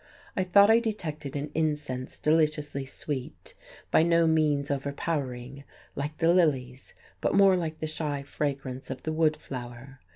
I thought I detected an incense deliciously sweet; by no means overpowering, like the lily's, but more like the shy fragrance of the wood flower.